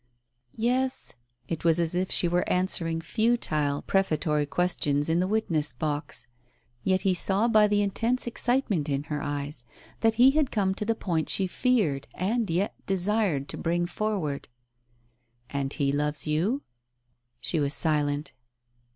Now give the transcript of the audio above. "Yes." It was as if she were answering futile prefa tory questions in the witness box. Yet he saw by the intense excitement in her eyes that he had come to the point she feared, and yet desired to bring forward. "And he loves you?" She was silent.